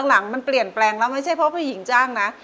หลังมันเปลี่ยนแปลงแล้วไม่ใช่เพราะผู้หญิงจ้างนะ